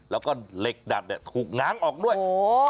แล้วก็เหล็กดัดเนี่ยถูกง้างออกด้วย